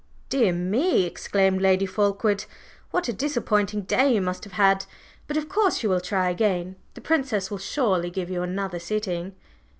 "Dear me!" exclaimed Lady Fulkeward. "What a disappointing day you must have had! But of course, you will try again; the Princess will surely give you another sitting?"